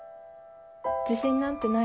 自信なんてない。